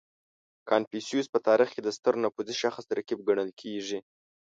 • کنفوسیوس په تاریخ کې د ستر نفوذي شخص رقیب ګڼل کېږي.